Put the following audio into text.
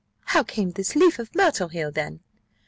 "How came this leaf of myrtle here, then?"